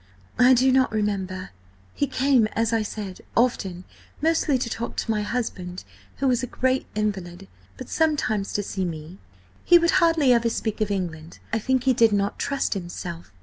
"I do not remember. He came, as I said, often, mostly to talk to my husband, who was a great invalid, but sometimes to see me. He would hardly ever speak of England–I think he did not trust himself.